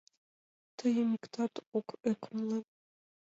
Тыйым иктат ок ӧкымлӧ.